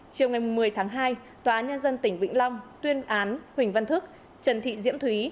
chiều ngày một mươi tháng hai tòa án nhân dân tỉnh vĩnh long tuyên án huỳnh văn thức trần thị diễm thúy